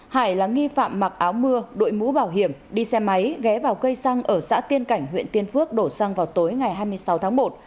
hải là nghi phạm mặc áo mưa đội mũ bảo hiểm đi xe máy ghé vào cây xăng ở xã tiên cảnh huyện tiên phước đổ xăng vào tối ngày hai mươi sáu tháng một